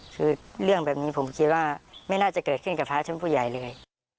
คือเรื่องแบบนี้ผมคิดว่าไม่น่าจะเกิดขึ้นกับพระชั้นผู้ใหญ่เลย